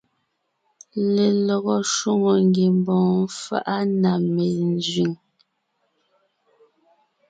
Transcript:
Lelɔgɔ shwòŋo ngiembɔɔn faʼa na menzẅìŋ.